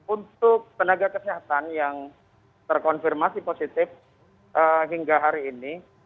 untuk tenaga kesehatan yang terkonfirmasi positif hingga hari ini